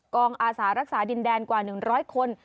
อาสารักษาดินแดนกว่า๑๐๐คน